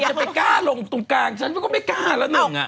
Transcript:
ใครจะไปกล้าลงตรงกลางฉันก็ไม่กล้าสักหนึ่งอ่ะ